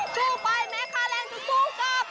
สู้ไปแม้ค่าแรงจะสู้กลับ